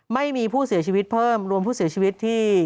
ไม่มีผู้เสียชีวิตเพิ่มรวมผู้เสียชีวิตที่